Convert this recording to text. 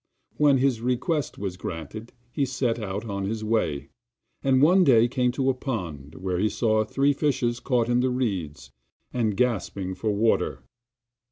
When his request was granted he set out on his way, and one day came to a pond, where he saw three fishes caught in the reeds and gasping for water.